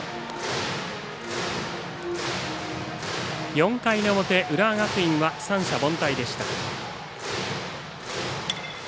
４回の表、浦和学院は三者凡退でした。